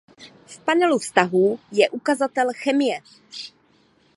V panelu vztahů je ukazatel chemie.